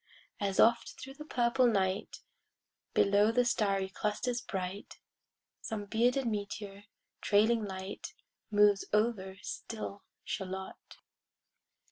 As often thro' the purple night, Below the starry clusters bright, Some bearded meteor, trailing light, Moves over still Shalott.